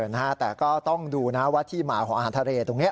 นะฮะแต่ก็ต้องดูนะว่าที่มาของอาหารทะเลตรงนี้